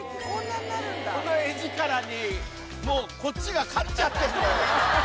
この画力に、もうこっちが勝っちゃってるのよ。